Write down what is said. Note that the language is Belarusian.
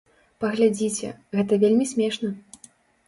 Паглядзіце, гэта вельмі смешна.